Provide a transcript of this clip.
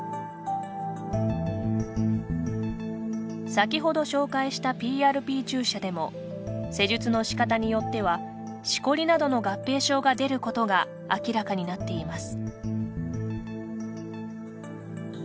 先ほど紹介したＰＲＰ注射でも施術のしかたによってはしこりなどの合併症が出ることが明らかになっています。